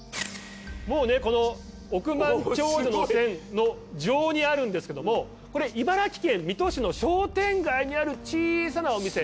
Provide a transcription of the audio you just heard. もうねこの億万長者の線上にあるんですけどもこれ茨城県水戸市の商店街にある小さなお店。